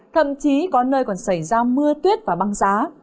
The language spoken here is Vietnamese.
thậm chí có nơi còn xảy ra mưa tuyết và băng giá